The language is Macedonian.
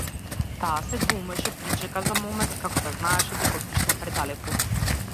Таа се двоумеше, причека за момент, како да знаеше дека отишла предалеку.